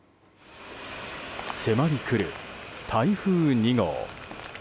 迫りくる、台風２号。